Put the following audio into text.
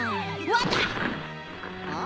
わったぁ！